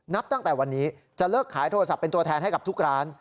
นับตั้งแต่วันนี้จะเลิกขายโทรศัพท์เป็นตัวแทนให้กับทุกร้าน